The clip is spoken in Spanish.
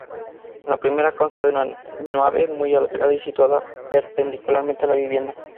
La primera, consta de una nave muy alargada y situada perpendicularmente a la vivienda.